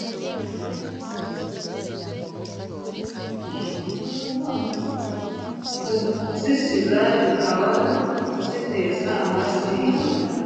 Kuzisiga bikaba kuzitera amaraso y'inka.